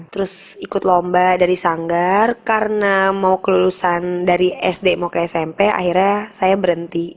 terus ikut lomba dari sanggar karena mau kelulusan dari sd mau ke smp akhirnya saya berhenti